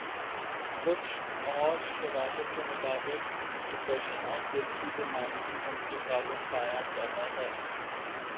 کچھ اورشواہد کے مطابق ڈپریشن اور دل کی بیماریوں ممکن تعلق پایا جاتا ہے